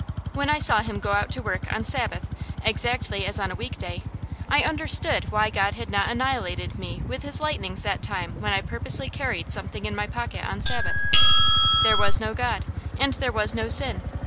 When I saw him go out to work on Sabbath exactly as on a week day, I understood why God had not annihilated me with his lightnings that time when I purposely carried something in my pocket on Sabbath: there was no God, and there was no sin.